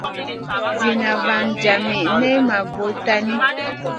Zida vaŋ jami nen ma bura tahni.